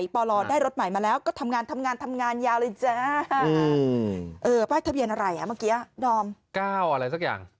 ๙๕๓๙ป่ะแล้วเราเปลี่ยนป้ายขาวก่อน